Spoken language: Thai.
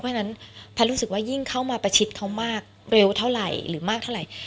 เพราะฉะนั้นแพทย์รู้สึกว่ายิ่งเข้ามาประชิดเขามากเร็วเท่าไหร่หรือมากเท่าไหร่